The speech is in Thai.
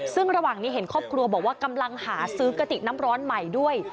ซึ่งระหว่างนี้เห็นครอบครัวบอกว่ากำลังหาซื้อกระติกน้ำร้อนใหม่ด้วย